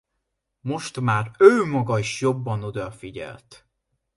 Most már ő maga is jobban odafigyelt.